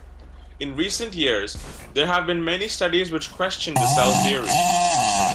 In recent years, there have been many studies which question the cell theory.